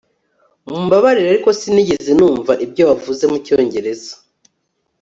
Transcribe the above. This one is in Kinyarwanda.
Mumbabarire ariko sinigeze numva ibyo wavuze mucyongereza